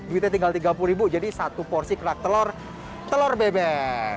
duitnya tinggal tiga puluh ribu jadi satu porsi kerak telur bebek